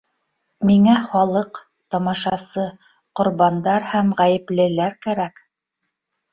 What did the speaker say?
Миңә халыҡ, тамашасы, ҡорбандар һәм ғәйеплелеләр кәрәк!